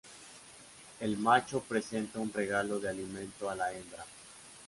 El macho presenta un regalo de alimento a la hembra.